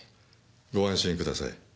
ご安心ください。